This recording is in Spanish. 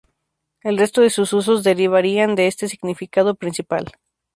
El resto de sus usos derivarían de este significado principal.